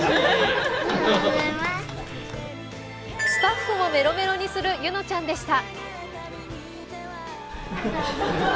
スタッフもメロメロにする柚乃ちゃんでした。